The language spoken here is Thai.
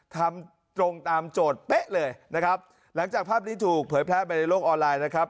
ทำตรงตามโจทย์เป๊ะเลยนะครับหลังจากภาพนี้ถูกเผยแพร่ไปในโลกออนไลน์นะครับ